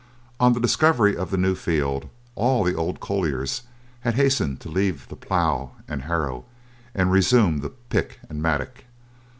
On the discovery of the new field, all the old colliers had hastened to leave the plow and harrow, and resume the pick and mattock.